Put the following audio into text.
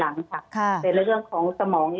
อันดับที่สุดท้าย